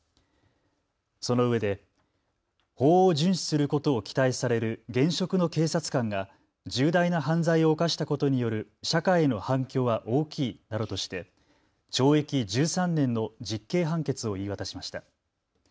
そのうえで法を順守することを期待される現職の警察官が重大な犯罪を犯したことによる社会への反響は大きいなどとして懲役１３年の実刑判決を言い渡しました。